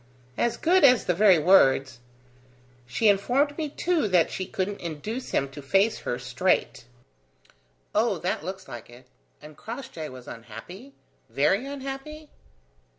"As good as the very words. She informed me, too, that she couldn't induce him to face her straight." "Oh, that looks like it. And Crossjay was unhappy? Very unhappy?"